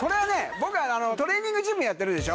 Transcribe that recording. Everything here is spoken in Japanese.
僕がトレーニングジムやってるでしょ？